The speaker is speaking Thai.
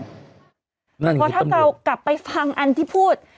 เพราะถ้าเรากลับไปฟังอันที่พูด